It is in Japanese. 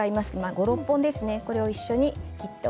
５、６、本ですね。